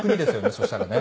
そしたらね。